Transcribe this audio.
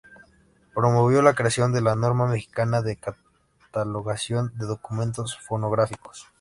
Promovió la creación de la Norma Mexicana de Catalogación de Documentos Fonográficos.